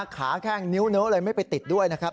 แข้งนิ้วโน้เลยไม่ไปติดด้วยนะครับ